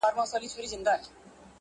پر عادي ستونزه جنجال کول ګڼل کېږي